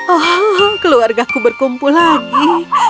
oh keluarga aku berkumpul lagi